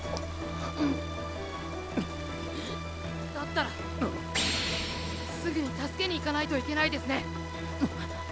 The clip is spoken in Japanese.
だったらすぐに助けに行かないといけないですね！